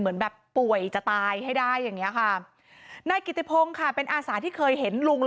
เหมือนแบบป่วยจะตายให้ได้อย่างนี้ค่ะนายกิติพงศ์ค่ะเป็นอาสาที่เคยเห็นลุง